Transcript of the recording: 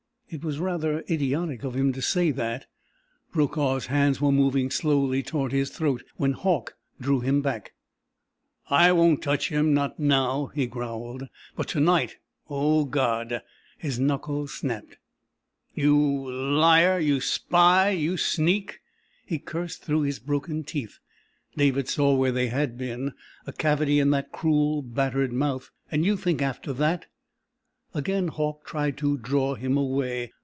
It was rather idiotic of him to say that. Brokaw's hands were moving slowly toward his throat when Hauck drew him back. "I won't touch him not now," he growled. "But to night oh, God!" His knuckles snapped. "You liar! You spy! You sneak!" he cursed through his broken teeth. David saw where they had been a cavity in that cruel, battered mouth. "And you think, after that...." Again Hauck tried to draw him away.